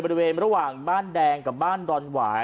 บริเวณระหว่างบ้านแดงกับบ้านดอนหวาย